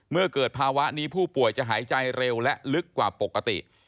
เมื่อเกิดภาวะนี้ผู้ป่วยจะหายใจเร็วและลึกกว่าปกติ